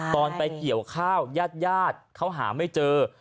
ตอนไปเกี่ยวข้าวญาติญาติเขาหาไม่เจอ